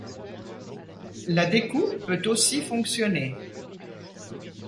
La découpe peut aussi fonctionner.